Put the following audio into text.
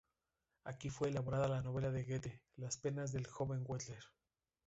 Aquí fue elaborada la novela de Goethe "Las penas del joven Werther".